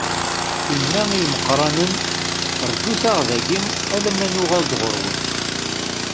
Inna i imeqqranen: Rǧut-aɣ dagi alamma nuɣal-d ɣur-wen.